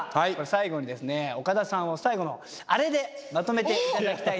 最後にですね岡田さんを最後のアレでまとめて頂きたいなと。